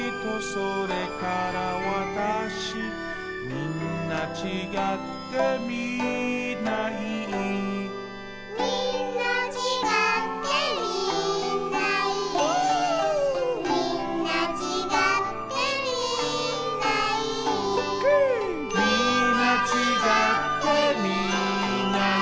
「みんなちがってみんないい」